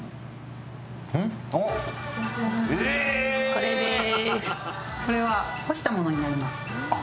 これです。